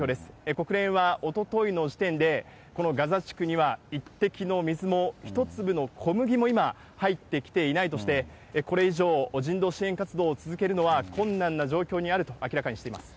国連はおとといの時点で、このガザ地区には一滴の水も、一粒の小麦も今入ってきていないとして、これ以上、人道支援活動を続けるのは困難な状況にあると明らかにしています。